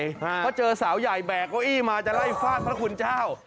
เพราะเจอสาวใหญ่แบกเก้าอี้มาจะไล่ฟาดพระคุณเจ้า